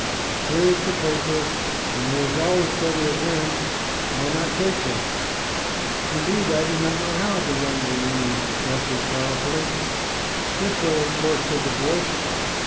"Here is the paper, and there is always plenty of wind. Why not take them?" "Indeed, I do not know how," the younger woman answered sorrowfully. "This way, of course," said the voice.